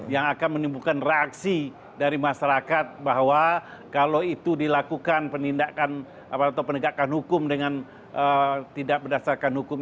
yang akan menimbulkan reaksi dari masyarakat bahwa kalau itu dilakukan penindakan atau penegakan hukum dengan tidak berdasarkan hukum